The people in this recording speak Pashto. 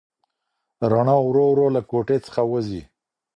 رڼا ورو ورو له کوټې څخه وځي.